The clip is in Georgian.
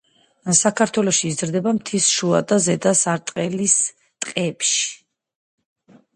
საქართველოში იზრდება მთის შუა და ზედა სარტყლის ტყეებში.